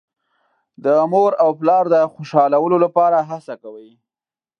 د مور او پلار د خوشحالولو لپاره هڅه کوي.